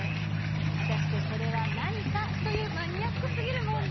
果たしてそれは何かという、マニアックすぎる問題。